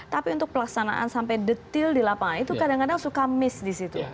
tapi untuk pelaksanaan sampai detail di lapangan itu kadang kadang suka miss di situ